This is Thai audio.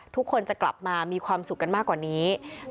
ทุกคนจะกลับมามีความสุขกันมากกว่านี้